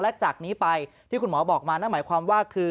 และจากนี้ไปที่คุณหมอบอกมานั่นหมายความว่าคือ